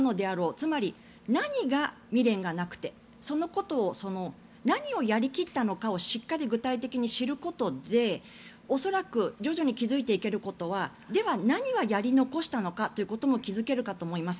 つまり、何が未練がなくてそのこと、何をやり切ったのかをしっかり具体的に知ることで恐らく徐々に気付いていけることはでは、何をやり残したのかということも気付けると思います。